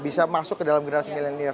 bisa masuk ke dalam generasi milenial